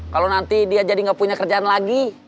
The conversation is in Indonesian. kalau nanti dia jadi nggak punya kerjaan lagi